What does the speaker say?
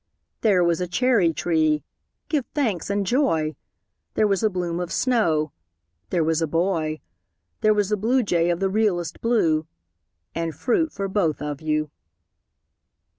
There was a cherry tree, give thanks and joy! There was a bloom of snow There was a boy There was a bluejay of the realest blue And fruit for both of you.